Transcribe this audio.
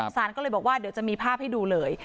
สารก็เลยบอกว่าเดี๋ยวจะมีภาพให้ดูเลย